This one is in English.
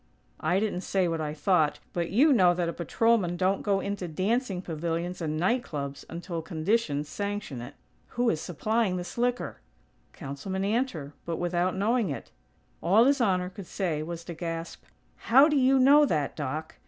I didn't say what I thought, but you know that a patrolman don't go into dancing pavilions and night clubs until conditions sanction it." "Who is supplying this liquor?" "Councilman Antor; but without knowing it." All His Honor could say was to gasp: "How do you know that, Doc?"